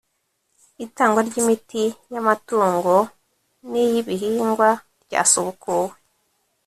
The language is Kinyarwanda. itangwa ry imiti y’ amatungo n iy’ ibihingwa ryasubukuwe